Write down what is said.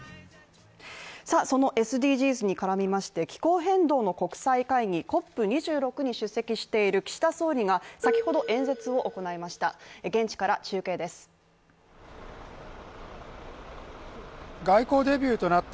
そのＳＤＧｓに絡みまして気候変動の国際会議ＣＯＰ２６に出席している岸田総理が、先ほど、演説を行いました。